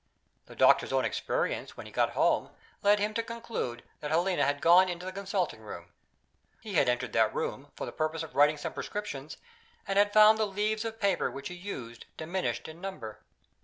The doctor's own experience, when he got home, led him to conclude that Helena had gone into the consulting room. He had entered that room, for the purpose of writing some prescriptions, and had found the leaves of paper that he used diminished in number.